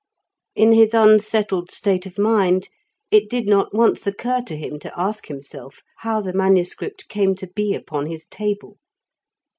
In his unsettled state of mind it did not once occur to him to ask himself how the manuscript came to be upon his table.